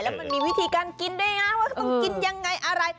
แล้วมันมีวิธีการกินได้ไงว่าต้องกินยังไงอะไร